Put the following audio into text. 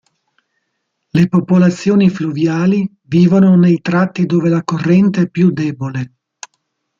Le popolazioni fluviali vivono nei tratti dove la corrente è più debole.